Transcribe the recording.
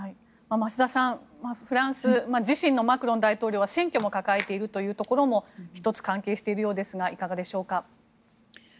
増田さん、フランスマクロン大統領は選挙も抱えているということも１つ関係しているようですがいかがでしょうか。